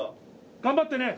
頑張ってね。